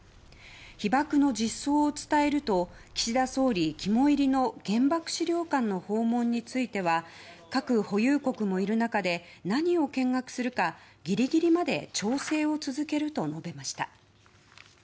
被ばくの実相を伝えると岸田総理肝煎りの原爆資料館の訪問については核保有国もいる中で何を見学するかギリギリまで調整を続けると述べました。